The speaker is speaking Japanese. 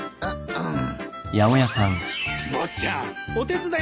うん？